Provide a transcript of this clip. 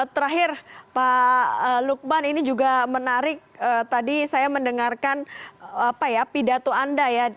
terakhir pak lukman ini juga menarik tadi saya mendengarkan pidato anda ya